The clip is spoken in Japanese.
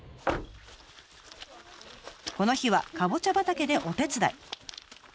この日はカボチャ畑でお手伝い。